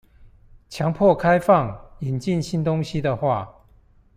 強迫開放、引進新東西的話